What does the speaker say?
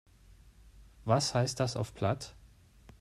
Was heißt das auf Platt?